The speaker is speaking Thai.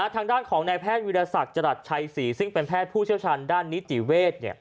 ทางด้านของในแพทย์วิทยาศัษฐ์จรดชัย๔ซึ่งเป็นแพทย์ผู้เชี่ยวชาญด้านนิสติเวศ